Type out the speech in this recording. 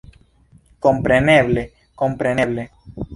Kompreneble, kompreneble!